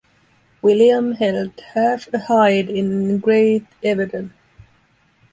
William held half a hide in Great Everdon.